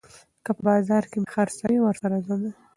که په بازار مې خرڅوي، ورسره ځمه